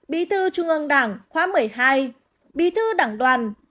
bí thư trung ương đảng khóa một mươi hai bí thư đảng đoàn